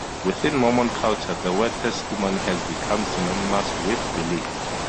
Within Mormon culture, the word "testimony" has become synonymous with "belief.